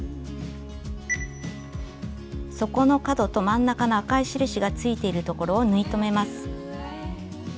底の角と真ん中の赤い印がついているところを縫い留めます。